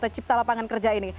atau cipta lapangan kerja ini